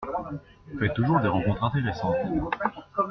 On fait toujours des rencontres intéressantes là-bas.